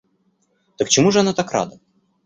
Так чему же она так рада?